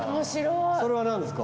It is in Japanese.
それは何ですか？